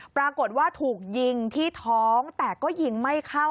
ปรากฏว่าถูกยิงที่ท้องแต่ก็ยิงไม่เข้า